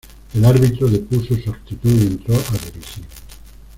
El árbitro depuso su actitud y entró a dirigir.